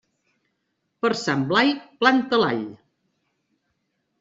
Per Sant Blai, planta l'all.